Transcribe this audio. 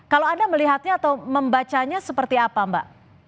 kalau anda melihatnya atau membacanya seperti apa mbak